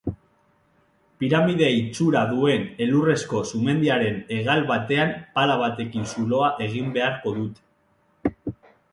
Piramide itxura duen elurrezko sumendiaren hegal batean pala batekin zuloa egin beharko dute.